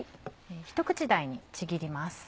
ひと口大にちぎります。